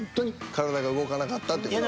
体が動かなかったって事。